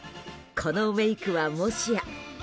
このメイクは、もしや。